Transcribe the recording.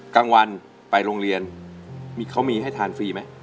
กลางวันไปโรงเรียนเขามีให้ทานฟรีไหม